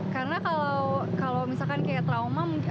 karena kalau misalkan kayak trauma